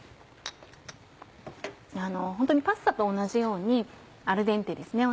ホントにパスタと同じようにアルデンテですね。